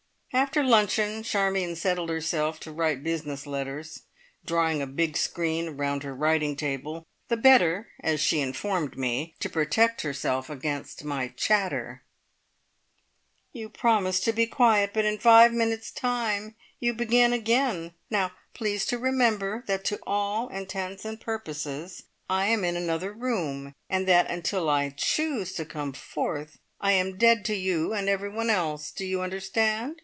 After luncheon Charmion settled herself to write business letters, drawing a big screen round her writing table, the better, as she informed me, to protect herself against my chatter. "You promise to be quiet, but in five minutes' time you begin again! Now please to remember that to all intents and purposes I am in another room, and that until I choose to come forth, I am dead to you and everyone else! Do you understand?